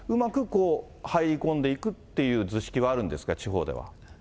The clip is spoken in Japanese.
こう、入り込んでいくっていう図式はあるんですか、地方では。